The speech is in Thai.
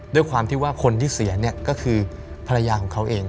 ด้วยความที่ว่าคนที่เสียเนี่ยก็คือภรรยาของเขาเอง